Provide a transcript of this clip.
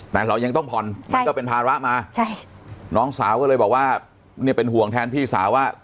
แต่เรายังต้องผ่อนมันก็เป็นภาระมาใช่น้องสาวก็เลยบอกว่าเนี่ยเป็นห่วงแทนพี่สาวว่า